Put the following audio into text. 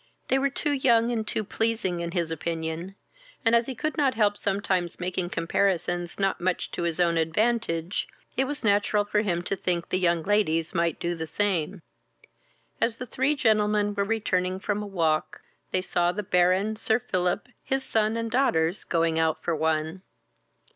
They were too young and too pleasing in his opinion, and, as he could not help sometimes making comparisons not much to his own advantage, it was natural for him to think the young ladies might do the same. As the three gentlemen were returning from a walk, they saw the Baron, Sir Philip, his son, and daughters, going out for one.